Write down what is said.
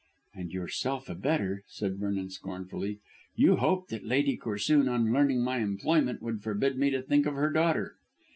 "And yourself a better," said Vernon scornfully. "You hoped that Lady Corsoon on learning my employment would forbid me to think of her daughter."